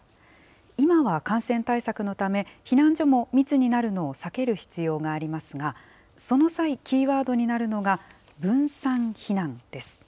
今は感染対策のため、避難所も密になるのを避ける必要がありますが、その際、キーワードになるのが分散避難です。